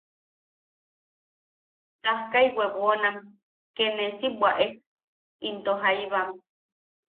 Tajkai webonam ke ne si bwaʼe into jaibam.